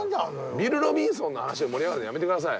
ビル・ロビンソンの話で盛り上がるのやめてください。